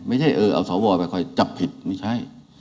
ไม่ใช่เออเอาสวไปคอยจับผิดไม่ใช่